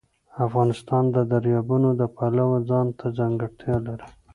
افغانستان د دریابونه د پلوه ځانته ځانګړتیا لري.